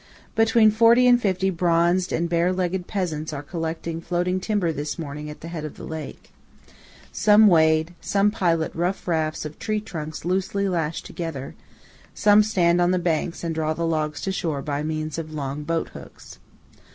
Between forty and fifty bronzed and bare legged peasants are collecting floating timber this morning at the head of the lake. Some wade; some pilot rough rafts of tree trunks loosely lashed together; some stand on the banks and draw the logs to shore by means of long boat hooks.